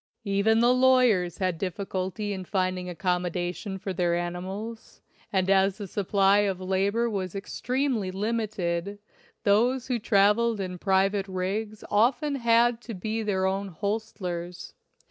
Even the lawyers had difficulty in finding accomodations for their animals ; and as the supply of labor was extremely limited, those who traveled in private rigs often had to be their own hostlers.